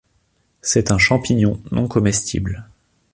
C’est un champignon non comestible.